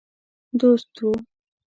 دوست وو.